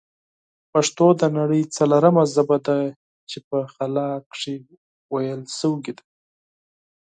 پښتو د نړۍ ځلورمه ژبه ده چې په خلا کښې ویل شوې ده